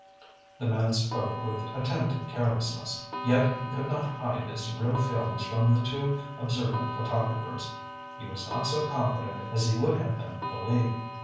The man spoke with attempted carelessness. Yet, he could not hide his real feelings from the two observant photographers. He was not so confident as he would have them believe.